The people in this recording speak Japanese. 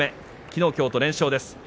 きのう、きょうと連勝です。